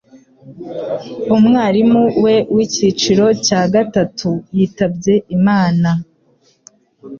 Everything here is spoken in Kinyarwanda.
umwarimu we wicyiciro cya gatatu yitabye Imana